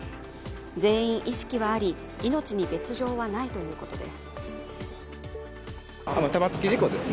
全員意識はあり命に別状はないということです。